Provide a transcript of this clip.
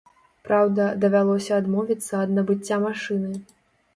Праўда, давялося адмовіцца ад набыцця машыны.